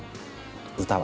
歌は。